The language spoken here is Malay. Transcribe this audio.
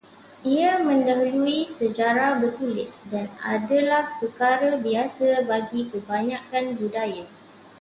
Ia mendahului sejarah bertulis dan adalah perkara biasa bagi kebanyakan budaya